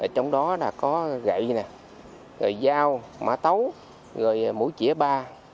trong đó có gậy dao mã tấu mũi chĩa ba